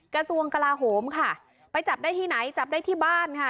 กระทรวงกลาโหมค่ะไปจับได้ที่ไหนจับได้ที่บ้านค่ะ